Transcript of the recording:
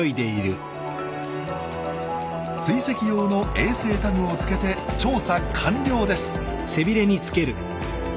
追跡用の衛星タグをつけて調査完了です。